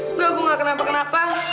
enggak gue gak kenapa kenapa